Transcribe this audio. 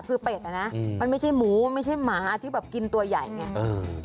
คือเป็ดอ่ะนะมันไม่ใช่หมูไม่ใช่หมาที่แบบกินตัวใหญ่ไงเออ